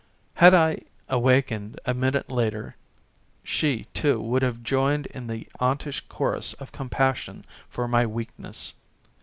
Had I awakened a minute later she, too, would have joined in the auntish chorus of compassion for my weak ness.